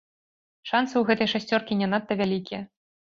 Шанцы ў гэтай шасцёркі не надта вялікія.